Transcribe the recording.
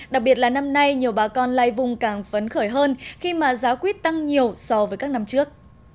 đặc biệt là năm nay nhiều bà con lai vùng càng phấn khởi hơn khi mà giá quýt tăng nhiều so với các năm trước